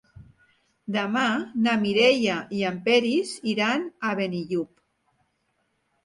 Demà na Mireia i en Peris iran a Benillup.